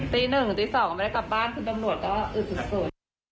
ตี๑ตี๒ก็ไม่ได้กลับบ้านคุณตำรวจก็อึดสุด